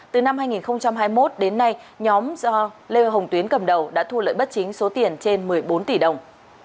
từ năm hai nghìn hai mươi một đến nay nhóm do lê hồng tuyến cầm đầu đã thu lợi bất chính số tiền trên một mươi bốn tỷ đồng